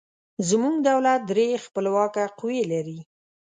زموږ دولت درې خپلواکه قوې لري.